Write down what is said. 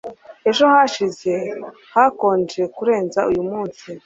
ejo hashize hakonje kurenza uyu munsi